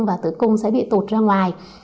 và tử cung sẽ bị tụt ra ngoài